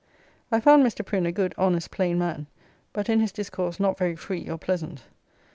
I found Mr. Prin a good, honest, plain man, but in his discourse not very free or pleasant.